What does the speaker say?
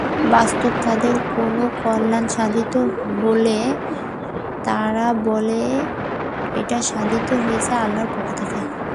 বস্তুত তাদের কোনো কল্যাণ সাধিত হলে তারা বলে যে, এটা সাধিত হয়েছে আল্লাহর পক্ষ থেকে।